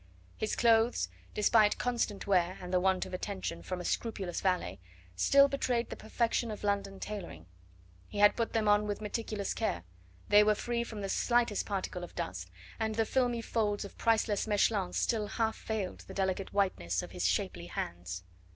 His clothes, despite constant wear and the want of attention from a scrupulous valet, still betrayed the perfection of London tailoring; he had put them on with meticulous care, they were free from the slightest particle of dust, and the filmy folds of priceless Mechlin still half veiled the delicate whiteness of his shapely hands.